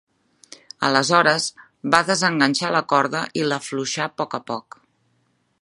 Aleshores, va desenganxar la corda i l’afluixà a poc a poc.